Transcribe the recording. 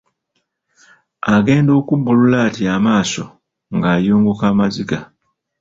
Agenda okubbulula ati amaaso ng'ayunguka amaziga.